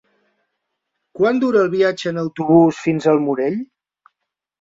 Quant dura el viatge en autobús fins al Morell?